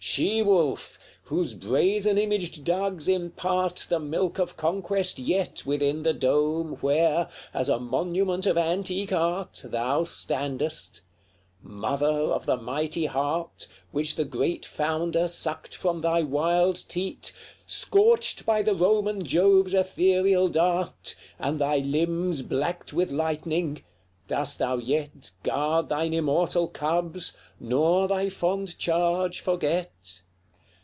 She wolf! whose brazen imaged dugs impart The milk of conquest yet within the dome Where, as a monument of antique art, Thou standest: Mother of the mighty heart, Which the great founder sucked from thy wild teat, Scorched by the Roman Jove's ethereal dart, And thy limbs blacked with lightning dost thou yet Guard thine immortal cubs, nor thy fond charge forget?